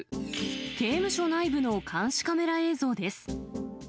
刑務所内部の監視カメラ映像です。